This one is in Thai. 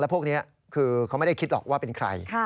พวกนี้คือเขาไม่ได้คิดหรอกว่าเป็นใคร